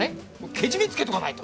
ケジメ付けとかないと。